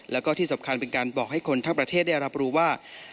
แล้วก็ที่สำคัญเป็นการบอกให้คนทั้งประเทศได้รับรู้ว่า